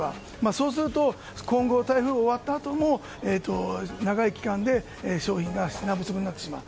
そうすると今後台風が終わったあとも長い期間で商品が品不足になってしまう。